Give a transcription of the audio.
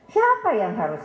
siapa yang harus